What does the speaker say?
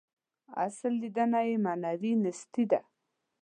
اصل لېدنه یې معنوي نیستي ده.